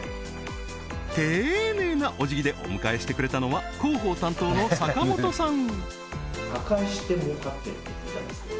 丁寧なおじぎでお迎えしてくれたのは広報担当の坂本さん